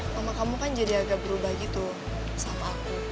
sama kamu kan jadi agak berubah gitu sama aku